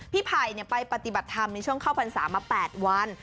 ไผ่ไปปฏิบัติธรรมในช่วงเข้าพรรษามา๘วัน